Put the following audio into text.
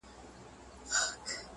د اختر لمونځ وکه